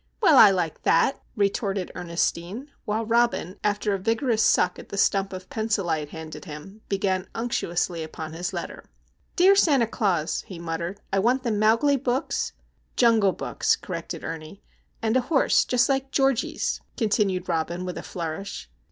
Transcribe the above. "Well, I like that!" retorted Ernestine; while Robin, after a vigorous suck at the stump of pencil I had handed him, began unctuously upon his letter. "Dear Santa Claus," he muttered,— "I want the Mowgli books,—" "Jungle Books," corrected Ernie. "—and a horse just like Georgie's," continued Robin, with a flourish.